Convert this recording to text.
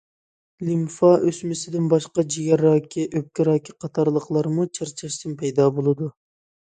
لىمفا ئۆسمىسىدىن باشقا، جىگەر راكى، ئۆپكە راكى قاتارلىقلارمۇ چارچاشتىن پەيدا بولىدۇ.